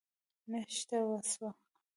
نښته وسوه.